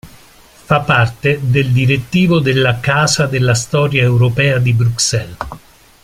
Fa parte del direttivo della Casa della Storia europea di Bruxelles.